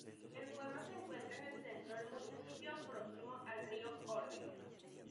El pueblo se encuentra en el centro del municipio, próximo al río Órbigo.